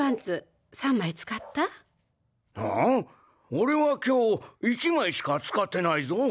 オレは今日１枚しか使ってないぞ。